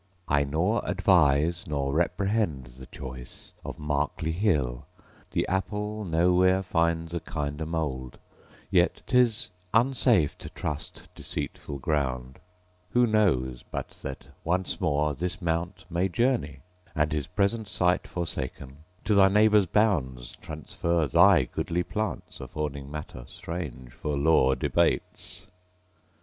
I nor advise, nor reprehend the choice Of Marcley Hill: the apple no where finds A kinder mould: yet 'tis unsafe to trust Deceitful ground: who knows but that once more This mount may journey, and his present site Forsaken, to thy neighbour's bounds transfer Thy goodly plants, affording matter strange For law debates!